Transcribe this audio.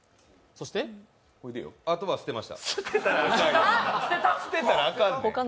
あとは捨てました。